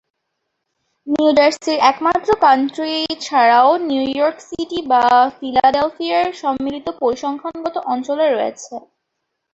New জার্সির একমাত্র county ছাড়াও নিউ ইয়র্ক সিটি বা ফিলাডেলফিয়ার সম্মিলিত পরিসংখ্যানগত অঞ্চলে রয়েছে।